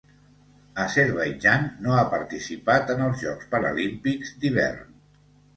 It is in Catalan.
Azerbaidjan no ha participat en els Jocs Paralímpics d'Hivern.